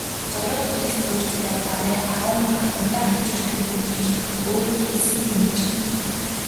Зураг их зурж байгаарай, аав нь харандаа авчирч өгнө гэж өөрөө хэлсэн юм чинь.